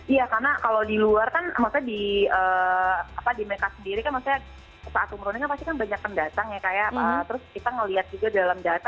iya karena kalau di luar kan maksudnya di mereka sendiri kan maksudnya saat umroh ini kan pasti kan banyak pendatang ya kayak terus kita ngeliat juga dalam data